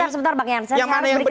sebentar bang yansen